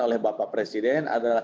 oleh bapak presiden adalah